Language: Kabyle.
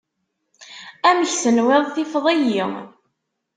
Amek tenwiḍ tifeḍ-iyi?